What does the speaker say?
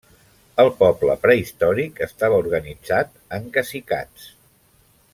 El poble prehistòric estava organitzat en cacicats.